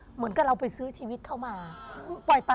เหมือนกับเราไปซื้อชีวิตเข้ามา